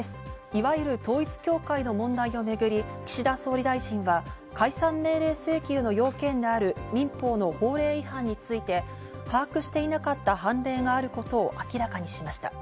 いわゆる統一教会の問題をめぐり、岸田総理大臣は解散命令請求の要件である民法の法令違反について把握していなかった判例があることを明らかにしました。